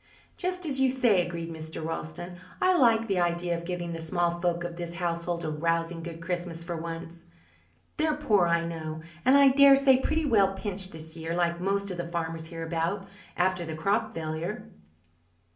"Just as you say," agreed Mr. Ralston. "I like the idea of giving the small folk of this household a rousing good Christmas for once. They're poor I know, and I dare say pretty well pinched this year like most of the farmers hereabout after the crop failure."